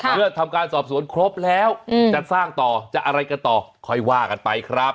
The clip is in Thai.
เมื่อทำการสอบสวนครบแล้วจะสร้างต่อจะอะไรกันต่อค่อยว่ากันไปครับ